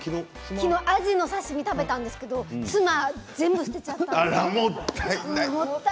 昨日、あじの刺身を食べたんですがツマは全部捨てちゃった。